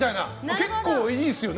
結構いいですよね？